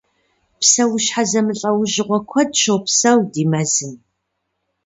Псэущхьэ зэмылӏэужьыгъуэ куэд щопсэу ди мэзым.